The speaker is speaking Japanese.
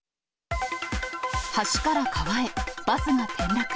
橋から川へ、バスが転落。